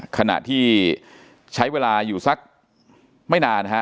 ขณะที่ใช้เวลาอยู่สักไม่นานนะฮะ